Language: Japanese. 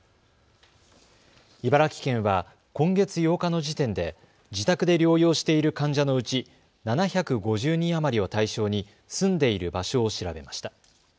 茨城県は今月８日の時点で自宅で療養している患者のうち７５０人余りを対象に住んでいる場所を調べました。